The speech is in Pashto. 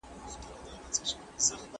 آیا الله بخښونکی او مهربانه دی؟